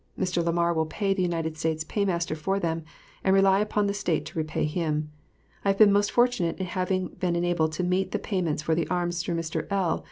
Mr. Lamar will pay the United States paymaster for them, and rely upon the State to repay him. I have been most fortunate in having been enabled to meet the payments for the arms through Mr. L.